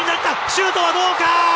シュートはどうか。